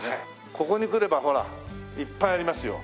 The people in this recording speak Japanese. ここに来ればほらいっぱいありますよ。